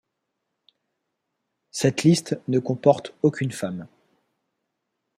Cette liste ne comporte aucune femme.